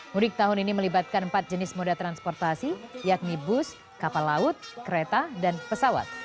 mudik tahun ini melibatkan empat jenis moda transportasi yakni bus kapal laut kereta dan pesawat